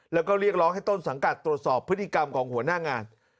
แล้วก็เรียกร้องให้ต้นสังกัดตรวจสอบพฤติกรรมของหัวหน้างาน